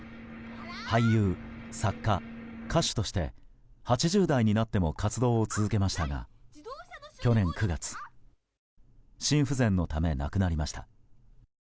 俳優、作家、歌手として８０代になっても活動を続けましたが去年９月心不全のため亡くなりました。